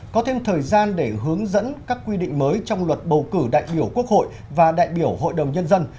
có thêm thời gian để hướng dẫn các quy định mới trong luật bầu cử đại biểu quốc hội và đại biểu hội đồng nhân dân